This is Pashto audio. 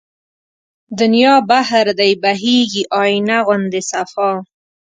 دنيا بحر دی بهيږي آينه غوندې صفا